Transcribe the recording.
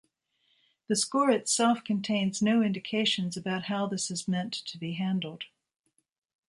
The score itself contains no indications about how this is meant to be handled.